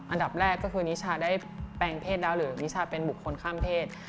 อันดับแรกก็คือนิชาได้แปลงเพศแล้วหรือนิชาเป็นบุคคลข้ามเพศ